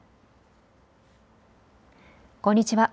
こんにちは。